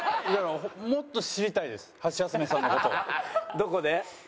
どこで？